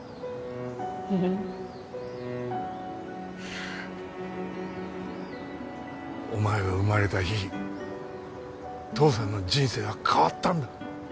ううんお前が生まれた日父さんの人生は変わったんだ